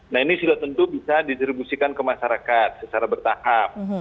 nah ini sudah tentu bisa distribusikan ke masyarakat secara bertahap